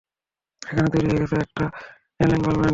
এখানে তৈরি হয়ে গেছে একটা এন্ট্যাঙ্গলমেন্ট।